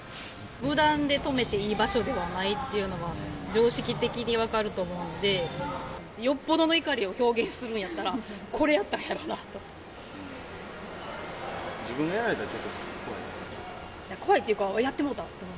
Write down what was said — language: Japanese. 無断で止めていい場所ではないっていうのは、常識的に分かると思うので、よっぽどの怒りを表現すんのやったら、これやったん自分がやられたら、怖いっていうか、やってもうた！って思う。